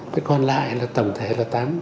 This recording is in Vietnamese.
cái còn lại là tổng thể là